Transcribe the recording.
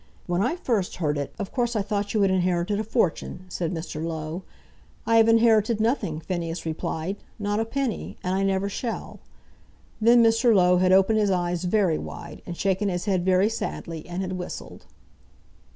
"When I first heard it, of course I thought you had inherited a fortune," said Mr. Low. "I have inherited nothing," Phineas replied; "not a penny; and I never shall." Then Mr. Low had opened his eyes very wide, and shaken his head very sadly, and had whistled.